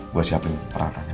gua siapin perangkatnya